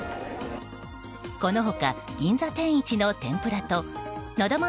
この他銀座天一の天ぷらとなだ万